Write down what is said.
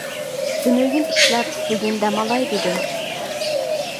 تۈنۈگۈن ئىشلەپ، بۈگۈن دەم ئالاي دېدىم.